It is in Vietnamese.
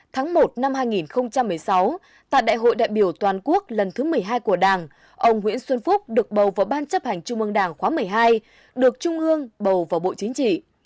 tháng một năm hai nghìn một mươi sáu tại đại hội đại biểu toàn quốc lần thứ một mươi hai của đảng ông nguyễn xuân phúc được bầu vào ban chấp hành trung ương đảng khóa một mươi hai được trung ương bầu vào bộ chính trị